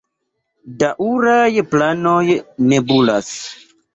Daŭraj planoj nebulas.